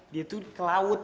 dia tuh ke laut